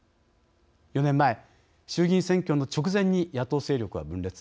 ４年前、衆議院選挙の直前に野党勢力は分裂。